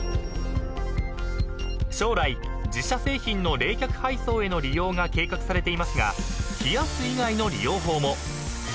［将来自社製品の冷却配送への利用が計画されていますが冷やす以外の利用法も］